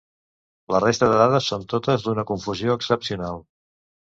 La resta de dades són totes d’una confusió excepcional.